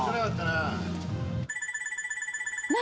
「何？